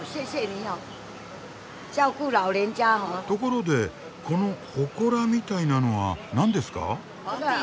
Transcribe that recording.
ところでこのほこらみたいなのは何ですか？